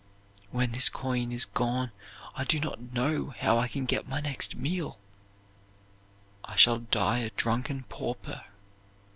When this coin is gone I do not know how I can get my next meal. I shall die a drunken pauper.